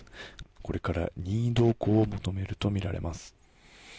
これから任意同行を求めるとみられます。